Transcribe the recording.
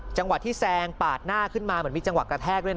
จังหวะที่แซงปาดหน้าขึ้นมาเหมือนมีจังหวะกระแทกด้วยนะ